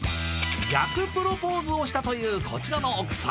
逆プロポーズをしたというこちらの奥様